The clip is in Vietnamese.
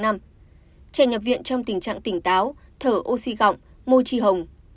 trẻ nhập viện trong tình trạng tỉnh táo thở oxy gọng môi tri hồng